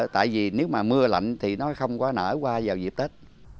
tại vì nếu mà mưa lạnh thì nó không có nở qua vào dịp tết